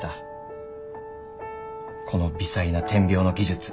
この微細な点描の技術。